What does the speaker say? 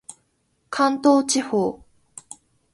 関東地方